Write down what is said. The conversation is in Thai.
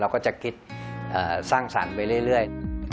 ก็จะคิดสร้างสรรค์ไปเรื่อย